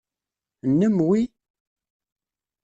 Nnem wi?